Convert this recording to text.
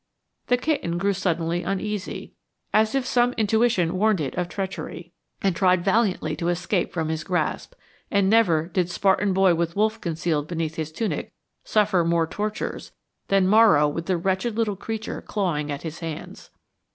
The kitten grew suddenly uneasy, as if some intuition warned it of treachery, and tried valiantly to escape from his grasp, and never did Spartan boy with wolf concealed beneath his tunic suffer more tortures than Morrow with the wretched little creature clawing at his hands.